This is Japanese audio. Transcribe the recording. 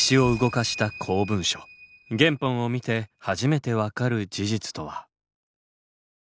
原本を見て初めて分かる事実とは！？